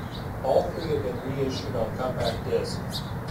All three have been reissued on compact disc.